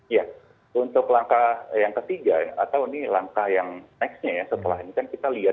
ya untuk langkah yang ketiga atau ini langkah yang nextnya ya setelah ini kan kita lihat